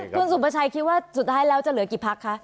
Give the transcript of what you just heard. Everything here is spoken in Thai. คุณสุประชัยคิดว่าสุดท้ายแล้วจะเหลือกี่พักคะ